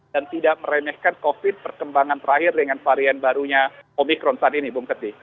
dan tidak meremehkan covid perkembangan terakhir dengan varian barunya omikron saat ini bung ketik